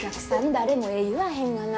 誰もええ言わへんがな。